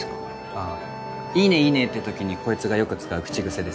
ああ「いいねいいね」って時にこいつがよく使う口癖です。